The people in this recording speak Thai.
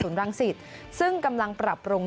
ศูนย์รังสิทธิ์ซึ่งกำลังปรับลง